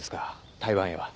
台湾へは。